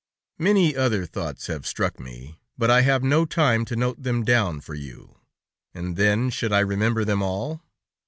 "Many other thoughts have struck me, but I have no time to note them down for you, and then, should I remember them all?